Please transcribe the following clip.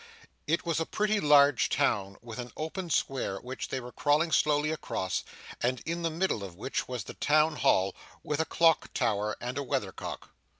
It was a pretty large town, with an open square which they were crawling slowly across, and in the middle of which was the Town Hall, with a clock tower and a weather cock.